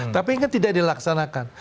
tapi ini tidak dilaksanakan